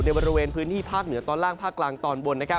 บริเวณพื้นที่ภาคเหนือตอนล่างภาคกลางตอนบน